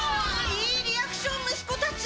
いいリアクション息子たち！